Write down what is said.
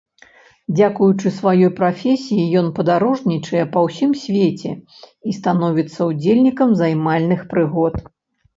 Дзякуючы сваёй прафесіі ён падарожнічае па ўсім свеце і становіцца ўдзельнікам займальных прыгод.